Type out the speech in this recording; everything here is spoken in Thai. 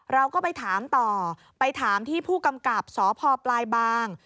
เราก็ไปถามต่อไปถามที่ผู้กำกับสพปลายบาง